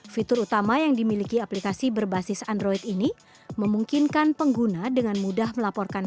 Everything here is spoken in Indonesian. fitur utama yang dimiliki adalah penyelenggaraan